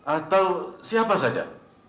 atau siapa saja